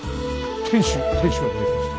天守天守が出てきました。